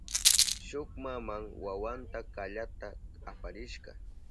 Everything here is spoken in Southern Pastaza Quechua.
Shuk maman wawanta kallata aparishka.